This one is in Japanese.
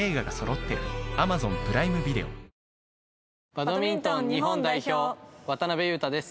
バドミントン日本代表渡辺勇大です